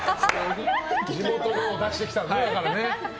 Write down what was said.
地元のを出してきたんだね。